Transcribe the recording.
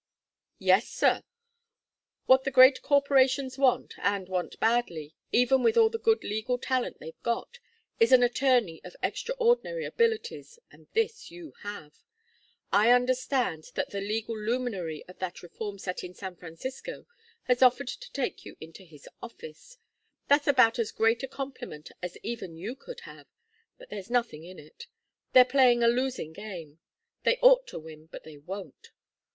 "Yes, sir. What the great corporations want, and want badly, even with all the good legal talent they've got, is an attorney of extraordinary abilities, and this you have. I understand that the legal luminary of that reform set in San Francisco has offered to take you into his office. That's about as great a compliment as even you could have, but there's nothing in it. They're playing a losing game. They ought to win, but they won't.